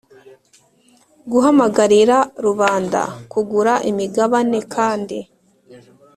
Guhamagarira rubanda kugura imigabane kandi